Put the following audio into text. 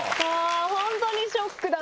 本当にショックだった。